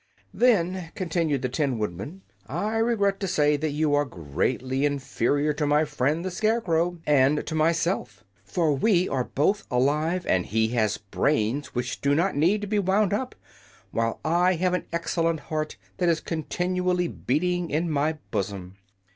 "Then," continued the Tin Woodman, "I regret to say that you are greatly inferior to my friend the Scarecrow, and to myself. For we are both alive, and he has brains which do not need to be wound up, while I have an excellent heart that is continually beating in my bosom."